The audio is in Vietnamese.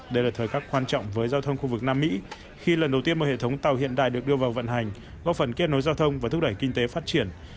đây là thời khắc quan trọng với giao thông khu vực nam mỹ khi lần đầu tiên mà hệ thống tàu hiện đại được đưa vào vận hành góp phần kết nối giao thông và thúc đẩy kinh tế phát triển